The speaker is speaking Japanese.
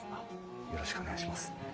よろしくお願いします。